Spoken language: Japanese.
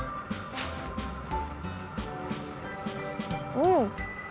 うん！